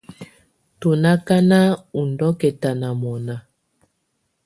Tù na akanà wù ndɔ̀kɛ̀ta nà mɔ̀na.